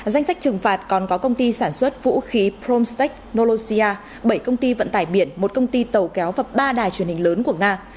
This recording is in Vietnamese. danh sách trừng phạt còn có công ty sản xuất vũ khí promstec nolosia bảy công ty vận tải biển một công ty tàu kéo và ba đài truyền hình lớn của nga